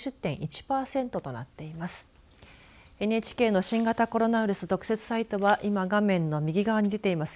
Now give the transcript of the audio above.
ＮＨＫの新型コロナウイルス特設サイトは今、画面の右側に出ています